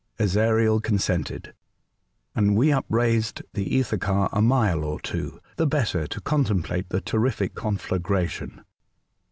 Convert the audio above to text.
'' Ezariel consented, and we upraised the ether car a mile or two, the better to contem plate the terrific conflagration.